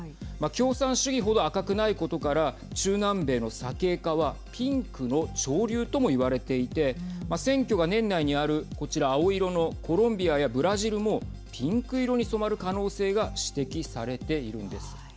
共産主義ほど赤くないことから中南米の左傾化はピンクの潮流とも言われていて選挙が年内にある、こちら青色のコロンビアやブラジルもピンク色に染まる可能性が指摘されているんです。